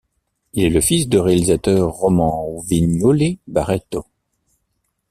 Il est le fils du réalisateur Román Viñoly Barreto.